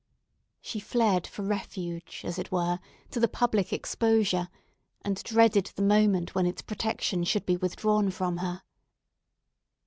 She fled for refuge, as it were, to the public exposure, and dreaded the moment when its protection should be withdrawn from her.